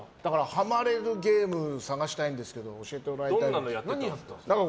ハマれるゲーム探したいんですけど何やってたんですか？